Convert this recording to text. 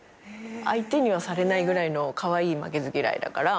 相手にはされないぐらいのカワイイ負けず嫌いだから。